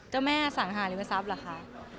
เจ้าแม่สังหาริมทรัพย์เหรอคะ